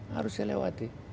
harus saya lewatin